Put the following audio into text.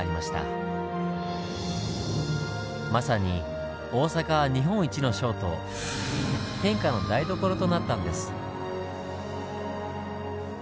まさに大阪は日本一の商都「天下の台所」となったんです。